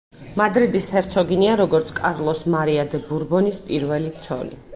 მადრიდის ჰერცოგინია როგორც კარლოს მარია დე ბურბონის პირველი ცოლი.